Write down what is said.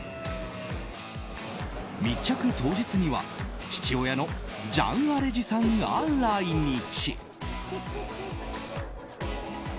密着当日には父親のジャン・アレジさんが来日。